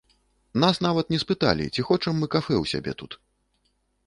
Нас нават не спыталі, ці хочам мы кафэ ў сябе тут.